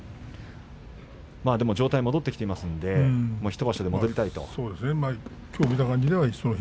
状態が戻ってきていますので１場所で、戻りたいと。